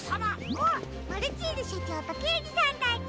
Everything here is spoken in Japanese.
あっマルチーズしょちょうとけいじさんたち。